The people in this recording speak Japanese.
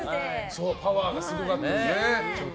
パワーがすごかったですね。